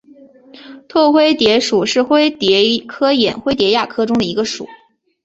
拓灰蝶属是灰蝶科眼灰蝶亚科中的一个属。